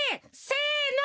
せの！